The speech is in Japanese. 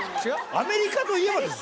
アメリカといえばでしょ